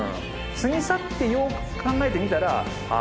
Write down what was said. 過ぎ去ってよく考えてみたらあぁ